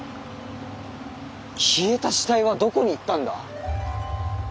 消えた死体はどこに行ったんだ？